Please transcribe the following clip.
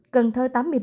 cần thơ tám mươi ba